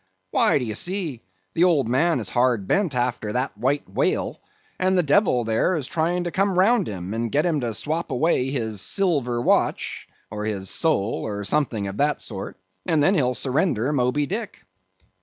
"Why, do ye see, the old man is hard bent after that White Whale, and the devil there is trying to come round him, and get him to swap away his silver watch, or his soul, or something of that sort, and then he'll surrender Moby Dick."